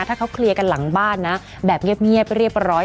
ถ้าเขาเคลียร์กันหลังบ้านนะแบบเงียบเรียบร้อย